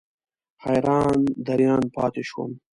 حیران دریان پاتې شوم.